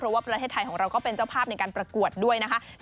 เพราะว่าประเทศไทยของเราก็เป็นเจ้าภาพในการประกวดด้วยนะคะ